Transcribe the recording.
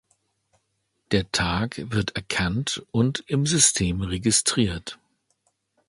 Der Tag wird erkannt und im System registriert.